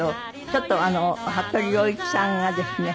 ちょっと服部良一さんがですね